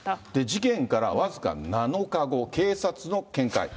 事件から僅か７日後、警察の見解。